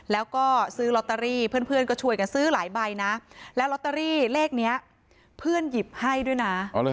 แล้วก็ซื้อลอตเตอรี่เพื่อนก็ช่วยกันซื้อหลายใบนะแล้วลอตเตอรี่เลขนี้เพื่อนหยิบให้ด้วยนะ